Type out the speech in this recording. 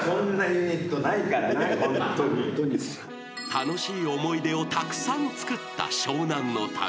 ［楽しい思い出をたくさんつくった湘南の旅］